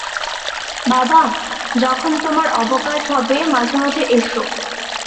বাবা, যখন তোমার অবকাশ হবে মাঝে মাঝে এসো।